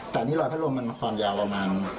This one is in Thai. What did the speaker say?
แต่อันนี้รอยพัดลมมันความยาวประมาณ